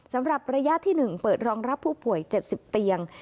สำหรับระยะที่๑เปิดรองรับผู้ป่วย๗๐เตียง